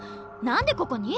何でここに？